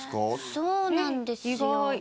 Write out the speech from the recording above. そうなんですよえっ